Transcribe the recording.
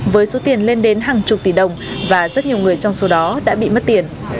với số tiền lên đến hàng chục tỷ đồng và rất nhiều người trong số đó đã bị mất tiền